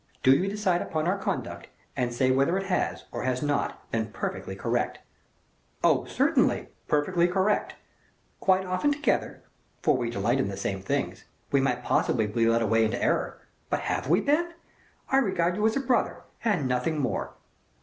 Do you decide upon our conduct, and say whether it has, or has not, been perfectly correct." "Oh, certainly perfectly correct." "Often alone together, for we delight in the same things, we might possibly be led away into error, but have we been? I regard you as a brother, and nothing more."